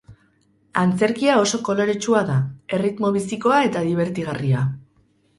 Antzerkia oso koloretsua da, erritmo bizikoa eta dibertigarria.